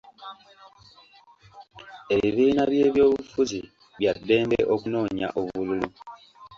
Ebibiina by'ebyobufuzi bya ddembe okunoonya obululu.